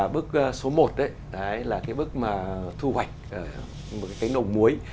bức số một là bức thu hoạch cánh đồng muối